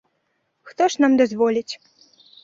Хто ж нам дазволіць?